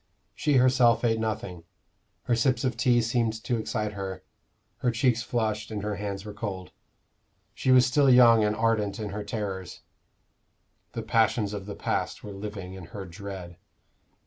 She herself ate nothing: her sips of tea seemed to excite her; her cheeks flushed, and her hands were cold. She was still young and ardent in her terrors; the passions of the past were living in her dread.